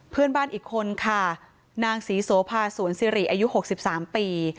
เพื่อนบ้านอีกคนค่ะนางศรีโสภาสวนสิริอายุ๖๓ปี